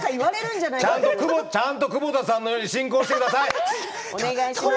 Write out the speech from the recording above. ちゃんと久保田さんのように進行してください！